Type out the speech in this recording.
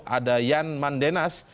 ada yan mandenas